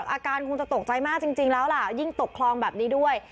อาการคงจะตกใจมากจริงแล้วล่ะยิ่งตกคลองแบบนี้ด้วย